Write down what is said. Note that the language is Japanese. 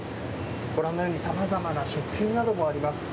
ご覧のように、さまざまな食品などもあります。